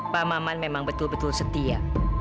pak maman memang betul betul setia